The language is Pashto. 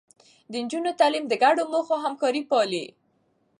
د نجونو تعليم د ګډو موخو همکاري پالي.